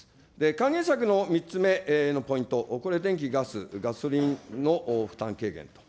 還元策の３つ目のポイント、これ電気、ガス、ガソリンの負担軽減と。